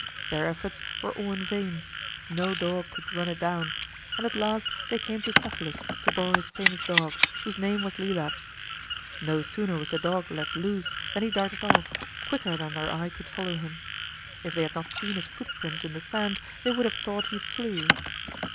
Their efforts were all in vain; no dog could run it down; and at last they came to Cephalus to borrow his famous dog, whose name was Lelaps. No sooner was the dog let loose than he darted off, quicker than their eye could follow him. If they had not seen his footprints in the sand they would have thought he flew.